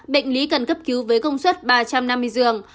bệnh lý cần cấp cứu với công suất ba trăm năm mươi giường